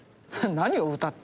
何よ「歌」って。